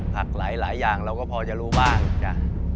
ผักหลายอย่างเราก็พอจะรู้บ้างจ้ะ